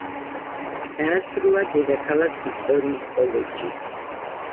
დაასრულა დედაქალაქ ვიქტორიის კოლეჯი.